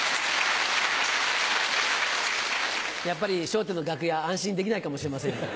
やっぱり『笑点』の楽屋安心できないかもしれませんよ。